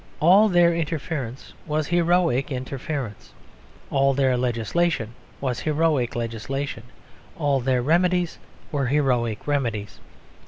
All their interference was heroic interference. All their legislation was heroic legislation. All their remedies were heroic remedies.